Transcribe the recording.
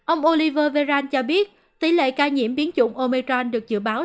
ông olivier véran cho biết tỷ lệ ca nhiễm biến chủng omicron được dự báo